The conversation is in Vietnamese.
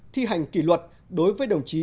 thi hành kỷ luật đối với đồng chí